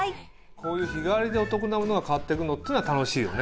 こういう日替わりでお得なものが変わってくのってのは楽しいよね。